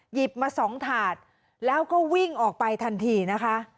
หยิบมา๒ถาดแล้วก็วิ่งออกไปทันทีนะคะ